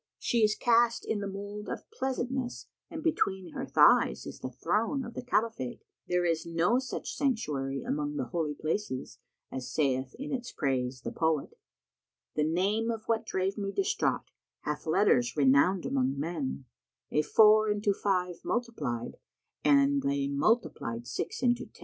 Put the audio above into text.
She is cast in the mould of pleasantness and between her thighs is the throne of the Caliphate, there is no such sanctuary among the Holy Places; as saith in its praise the poet, "The name of what drave me distraught * Hath letters renowned among men: A four into five multiplied * And a multiplied six into ten.